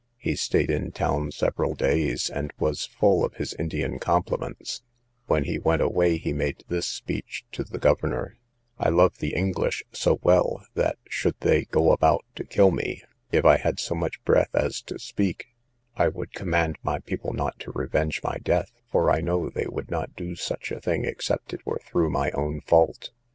He staid in town several days, and was full of his Indian compliments; when he went away he made this speech to the governor: "I love the English so well, that, should they go about to kill me, if I had so much breath as to speak, I would command my people not to revenge my death, for I know they would not do such a thing, except it were through my own fault."